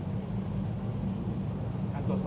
หมอบรรยาหมอบรรยา